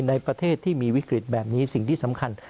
ในประเทศที่มีวิกฤตแบบนี้สิ่งที่สำคัญ